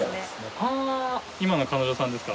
あぁ今の彼女さんですか。